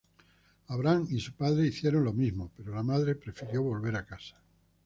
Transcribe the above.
Abraham y su padre hicieron lo mismo, pero la madre prefirió volver a casa.